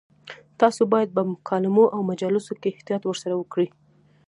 تاسو باید په مکالمو او مجالسو کې احتیاط ورسره وکړئ.